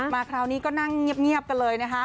คราวนี้ก็นั่งเงียบกันเลยนะคะ